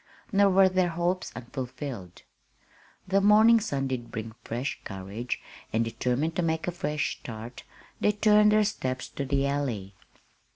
Nor were their hopes unfulfilled. The morning sun did bring fresh courage; and, determined to make a fresh start, they turned their steps to the Alley.